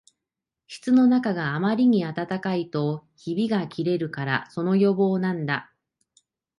室のなかがあんまり暖かいとひびがきれるから、その予防なんだ